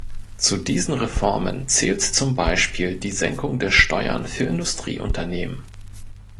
Zu diesen Reformen zählt zum Beispiel die Senkung der Steuern für Industrieunternehmen.